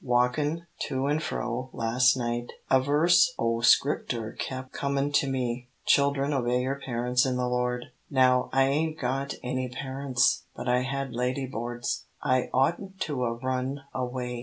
"Walkin' to an' fro las' night, a verse o' Scripter kep' comin' to me, 'Children, obey your parents in the Lord ' Now, I ain't got any parents, but I had lady boards. I oughtn't to 'a' run away.